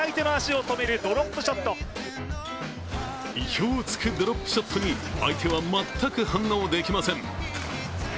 意表を突くドロップショットに相手は全く反応できません。